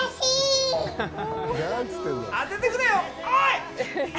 当ててくれよ、おい！